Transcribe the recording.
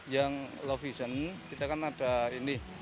yang low vision kita kan ada ini